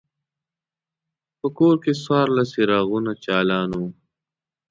په کور کې څوارلس څراغونه چالان وو.